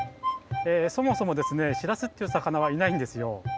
そもそもですねしらすっていうさかなはいないんですよ。